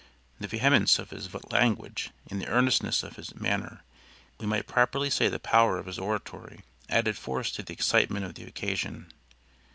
The vehemence of his language and the earnestness of his manner, we might properly say the power of his oratory, added force to the excitement of the occasion.